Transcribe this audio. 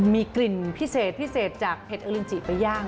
มีกลิ่นพิเศษจากเห็ดเออรินจิไปย่าง